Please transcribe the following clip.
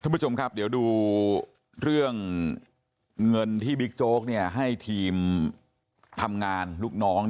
ผู้ชมครับเดี๋ยวดูเรื่องเงินที่บิ๊กโจ๊กให้ทีมทำงานลูกน้อง